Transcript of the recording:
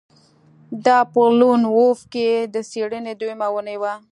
دا په لون وولف کې د څیړنې دویمه اونۍ وه